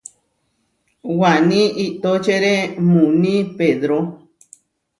Waní iʼtóčere muuní Pedró.